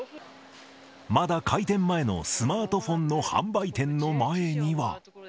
まだ開店前のスマートフォンの販売店の前には。